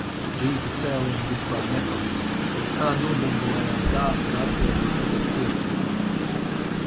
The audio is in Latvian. Rīta cēlienu vispār nepamanīju, kaut kā nobumbulējām tā, ka atjēdzos tik ap pusdienslaiku.